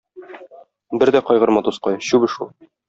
Бер дә кайгырма, дускай, чүп эш ул.